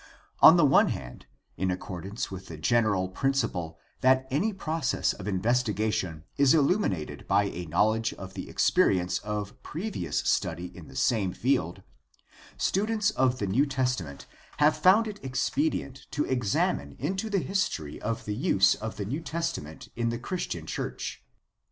On the one hand, in accordance with the general prin ciple that any process of investigation is illuminated by a knowledge of the experience of previous study in the same field, students of the New Testament have found it expedient THE STUDY OF THE NEW TESTAMENT 173 to examine into the history of the use of the New Testament in the Christian church.